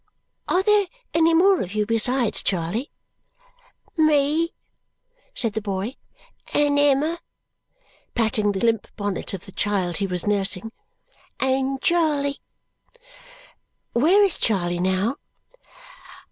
"Are there any more of you besides Charley?" "Me," said the boy, "and Emma," patting the limp bonnet of the child he was nursing. "And Charley." "Where is Charley now?"